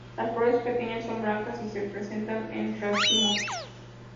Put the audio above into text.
Las flores, pequeñas, son blancas y se presentan en racimos.